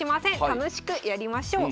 楽しくやりましょう。